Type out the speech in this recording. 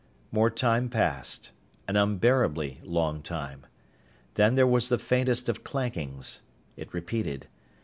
More time passed. An unbearably long time. Then there was the faintest of clankings. It repeated.